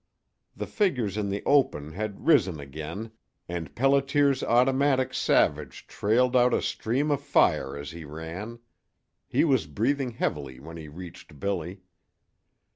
The figures in the open had risen again, and Pelliter's automatic Savage trailed out a stream of fire as he ran. He was breathing heavily when he reached Billy.